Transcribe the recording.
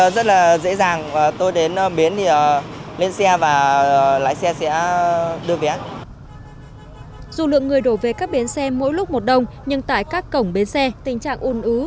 dù lượng người đổ về các bến xe mỗi lúc một đông nhưng tại các cổng bến xe tình trạng un ứ